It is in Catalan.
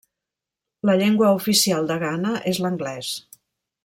La llengua oficial de Ghana és l'anglès.